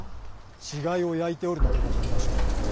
死骸を焼いておるのでございましょう。